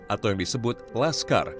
atau yang disebut laskar